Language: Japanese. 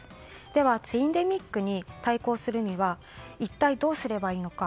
ではツインデミックに対抗するには一体どうすればいいのか。